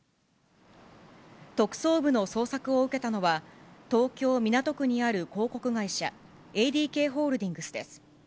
特捜部の捜索を受けたのは、東京・港区にある広告会社、ＡＤＫホールディングスです。